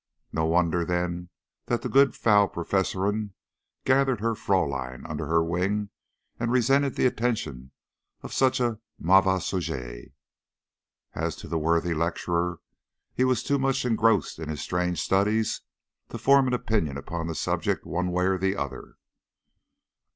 No wonder, then, that the good Frau Professorin gathered her Fräulein under her wing, and resented the attentions of such a mauvais sujet. As to the worthy lecturer, he was too much engrossed by his strange studies to form an opinion upon the subject one way or the other.